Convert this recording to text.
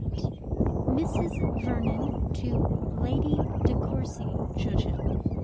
VIII Mrs. Vernon to Lady De Courcy. Churchhill.